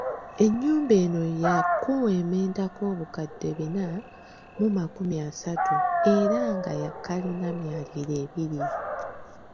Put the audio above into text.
Ennyumba eno yaakuwemmenta obukadde bina mu amakumi asatu era nga ya kkalina myaliiro ebiri.